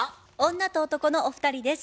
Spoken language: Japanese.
女と男のお二人です。